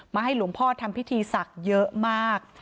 ให้หลวงพ่อทำพิธีศักดิ์เยอะมาก